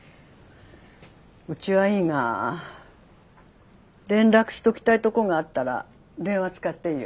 うちはいいが連絡しときたいとこがあったら電話使っていいよ。